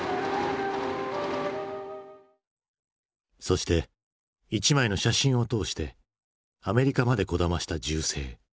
そして一枚の写真を通してアメリカまでこだました銃声。